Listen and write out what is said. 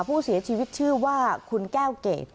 ผู้เสียชีวิตชื่อว่าคุณแก้วเกรด